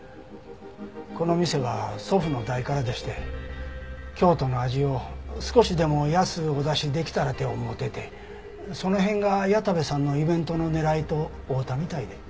この店は祖父の代からでして京都の味を少しでも安うお出しできたらて思うててその辺が矢田部さんのイベントの狙いと合うたみたいで。